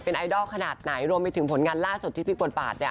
เป็นไอดอลขนาดไหนรวมไปถึงผลงานล่าสุดที่มีบทบาท